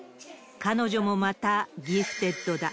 彼女もまたギフテッドだ。